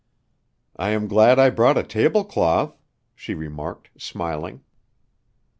"I am glad I brought a tablecloth," she remarked smiling.